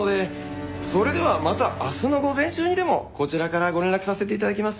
それではまた明日の午前中にでもこちらからご連絡させて頂きます。